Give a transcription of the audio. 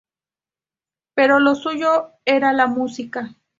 Pero lo suyo era la música.